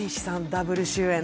ダブル主演。